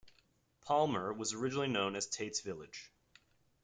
Palmer was originally known as "Tate's Village".